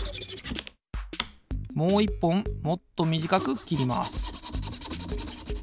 もういっぽんもっとみじかくきります。